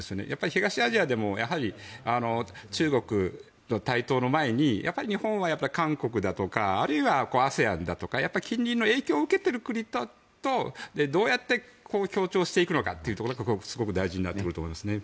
東アジアでも中国の台頭の前に日本は韓国だとかあるいはＡＳＥＡＮだとか近隣の影響を受けている国とどうやって協調していくのかというところがすごく大事になってくると思いますね。